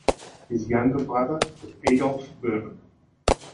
His younger brother was Adolf Berman.